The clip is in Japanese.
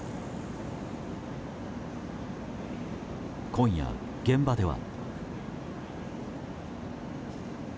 今夜、現場では。